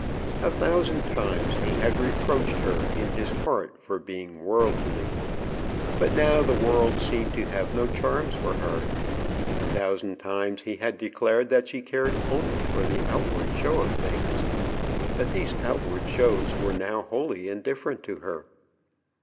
A thousand times he had reproached her in his heart for being worldly; but now the world seemed to have no charms for her. A thousand times he had declared that she cared only for the outward show of things, but these outward shows were now wholly indifferent to her.